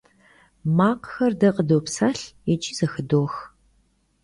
Makhxer de khıdopselh yiç'i zexıdox.